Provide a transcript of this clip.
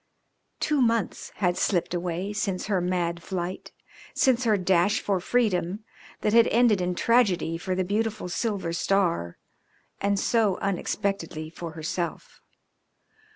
Two months had slipped away since her mad flight, since her dash for freedom that had ended in tragedy for the beautiful Silver Star and so unexpectedly for herself.